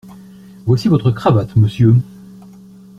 Voici votre cravate, monsieur.